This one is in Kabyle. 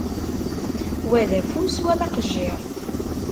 Wa d afus, wa d aqejjiṛ.